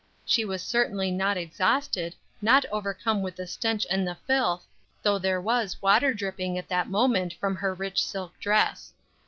She was certainly not exhausted, not overcome with the stench and the filth, though there was water dripping at that moment from her rich silk dress.